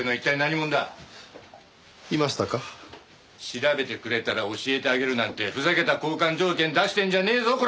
調べてくれたら教えてあげるなんてふざけた交換条件出してんじゃねえぞコラァ！